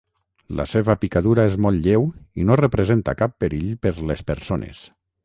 La seva picadura és molt lleu i no representa cap perill per les persones.